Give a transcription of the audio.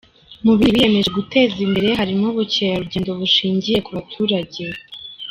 Mu bindi biyemeje guteza imbere harimo ubukerarugendo bushingiye ku baturage.